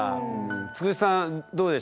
つくしさんどうでした？